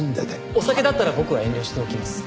お酒だったら僕は遠慮しておきます。